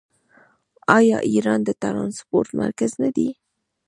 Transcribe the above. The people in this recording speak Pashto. آیا ایران د ټرانسپورټ مرکز نه دی؟